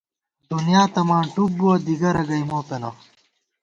دُنیا تہ ماں ٹُپ بُوَہ ، دِگَرہ گئ مو پېنہ